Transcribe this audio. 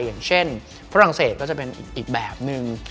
อย่างเช่นฝรั่งเศสก็จะเป็นอีกแบบนึง